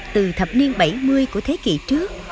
từ thập niên bảy mươi của thế kỷ trước